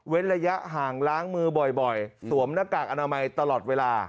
ระยะห่างล้างมือบ่อยสวมหน้ากากอนามัยตลอดเวลา